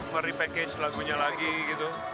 meripackage lagunya lagi gitu